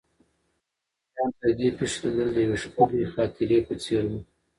ګاونډیانو ته د دې پېښې لیدل د یوې ښکلې خاطرې په څېر وو.